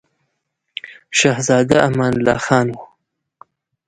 شهزاده امان الله خان وو.